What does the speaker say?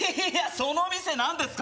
その店なんですか？